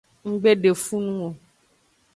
Nggbe de fun nung o.